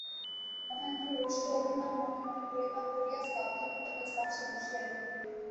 মহেন্দ্র রুষ্ট অভিমান মনে মনে পরিপাক করিয়া স্তব্ধভাবে কোচবাক্সে বসিয়া রহিল।